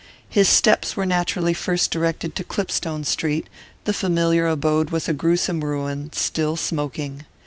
His steps were naturally first directed to Clipstone Street; the familiar abode was a gruesome ruin, still smoking.